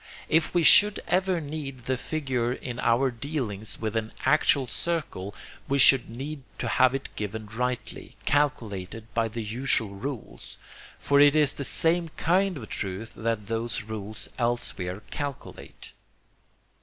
If we should ever need the figure in our dealings with an actual circle we should need to have it given rightly, calculated by the usual rules; for it is the same kind of truth that those rules elsewhere calculate.